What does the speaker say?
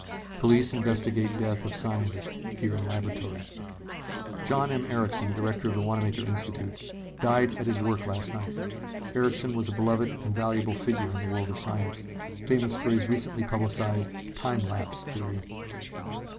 POLICE INVESTIGATE DEATH OF SCIENTIST HERE IN LABORATORY John M. Erickson, director of the Wanamaker Institute, died at his work last night. Erickson was a beloved and valuable figure in the world of science, famous for his recently publicized "time lapse" theory.